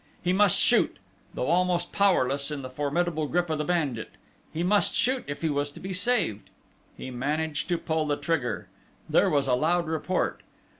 He must shoot, though almost powerless in the formidable grip of the bandit. He must shoot if he was to be saved. He managed to pull the trigger. There was a loud report.